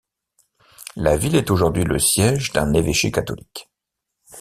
La ville est aujourd'hui le siège d'un évêché catholique.